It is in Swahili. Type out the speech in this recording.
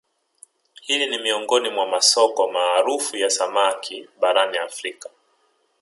Hili ni miongoni mwa masoko maarufu ya samaki barani Afrika